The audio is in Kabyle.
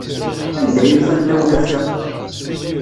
Anda ay ufan tawlaft-a?